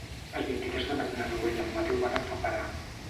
El vint-i-tres de maig na Zoè i en Mateu van a Alfafara.